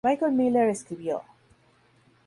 Michael Miller escribió,